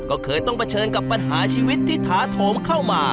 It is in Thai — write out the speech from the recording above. ก็เคยต้องเผชิญกับปัญหาชีวิตที่ถาโถมเข้ามา